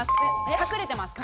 隠れてます。